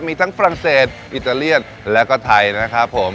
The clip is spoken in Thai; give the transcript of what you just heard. มีทั้งฝรั่งเศสอิตาเลียนแล้วก็ไทยนะครับผม